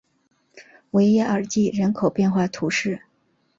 维耶尔济人口变化图示